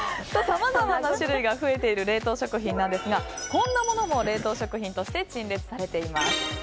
さまざまな種類が増えている冷凍食品ですがこんなものも冷凍食品として陳列されています。